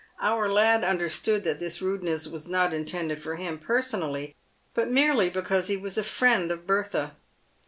Our lad understood that this rudeness was not intended for him per sonally, but merely because he was a friend of Bertha.